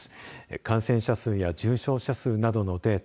感染者数や重症者数などのデータ